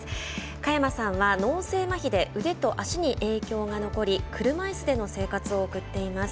佳山さんは脳性まひで腕と足に影響が残り車いすでの生活を送っています。